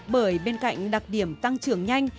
bởi bên cạnh đặc điểm tăng trưởng nhanh